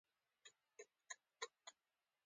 د ملاریا غوماشي د ناروغیو لامل ګرځي.